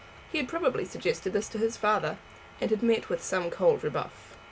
He had probably suggested this to his father, and had met with some cold rebuff.